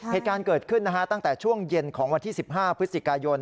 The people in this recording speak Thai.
เหตุการณ์เกิดขึ้นตั้งแต่ช่วงเย็นของวันที่๑๕พฤศจิกายน